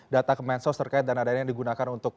data kemensos terkait dan adanya yang digunakan untuk